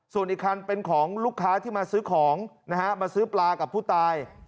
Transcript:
ส่วนอีกคันเป็นของลูกค้าที่มาซื้อของนะฮะมาซื้อปลากับผู้ตาย